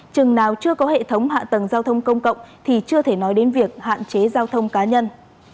chừng nào chưa có hệ thống hạ tầng giao thông công cộng thì chưa thể nói đến việc hạn chế giao thông cá nhân